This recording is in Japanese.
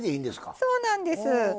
そうなんです。